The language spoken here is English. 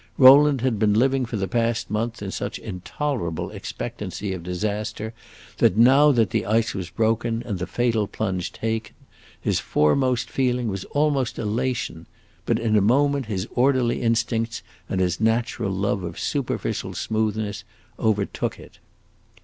Rowland had been living for the past month in such intolerable expectancy of disaster that now that the ice was broken, and the fatal plunge taken, his foremost feeling was almost elation; but in a moment his orderly instincts and his natural love of superficial smoothness overtook it.